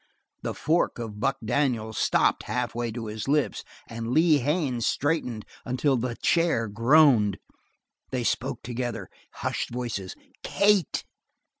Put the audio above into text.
The fork of Buck Daniels stopped halfway to his lips and Lee Haines straightened until the chair groaned. They spoke together, hushed voices: "Kate!"